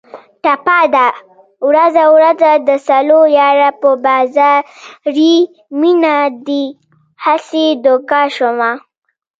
ټپه ده: ورځه ورځه د سلو یاره په بازاري مینه دې هسې دوکه شومه